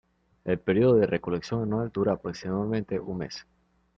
El período de recolección anual dura aproximadamente un mes.